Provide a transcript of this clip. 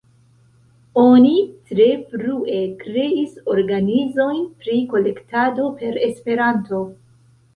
Oni tre frue kreis organizojn pri kolektado per Esperanto.